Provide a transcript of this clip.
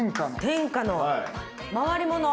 天下の回りもの。